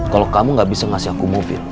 kalau kamu nggak bisa ngasih aku mobil